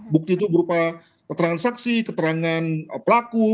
bukti itu berupa keterangan saksi keterangan pelaku